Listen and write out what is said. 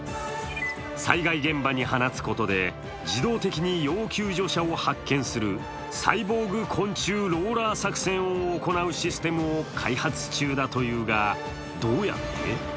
災害現場に放つことで、自動的に要救助者を発見するサイボーグ昆虫ローラー作戦を行うシステムを開発中だというがどうやって？